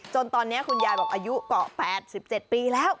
จนตอนเนี้ยคุณยายบอกอายุเกาะปรแพนสิบเจ็ดปีแล้ว